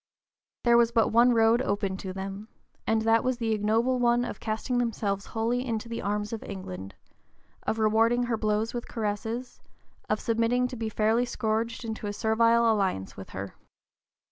There was but one road open to them, and that was the ignoble one of casting themselves wholly (p. 048) into the arms of England, of rewarding her blows with caresses, of submitting to be fairly scourged into a servile alliance with her.